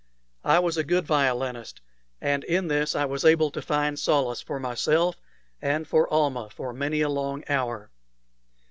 I was a good violinist, and in this I was able to find solace for myself and for Almah for many a long hour.